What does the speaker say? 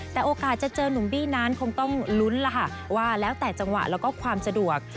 แต่โอกาสจะเจอนุ่มบี้นั้นคงต้องลุ้นล่ะค่ะว่าแล้วแต่จังหวะแล้วก็ความสะดวก